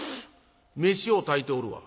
飯を炊いておるわ」。